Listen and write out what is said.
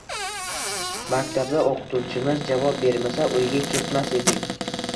Maktabda oʻqituvchimiz javob bermasa, uyga ketmas edik